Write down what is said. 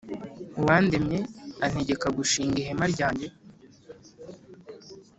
Uwandemye antegeka gushinga ihema ryanjye,